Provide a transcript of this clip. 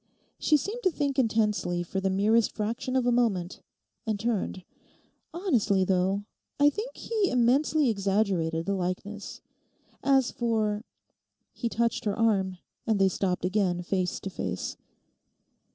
She seemed to think intensely for the merest fraction of a moment, and turned. 'Honestly, though, I think he immensely exaggerated the likeness. As for...' He touched her arm, and they stopped again, face to face.